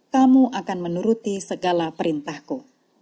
kamu akan menuruti segala perintahku